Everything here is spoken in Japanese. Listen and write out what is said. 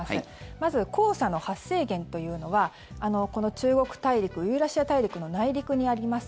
まず黄砂の発生源というのはこの中国大陸、ユーラシア大陸の内陸にあります